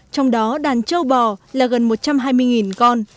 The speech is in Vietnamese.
trong đó đàn châu bò